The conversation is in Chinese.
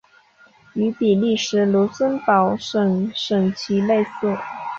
与比利时卢森堡省省旗类似。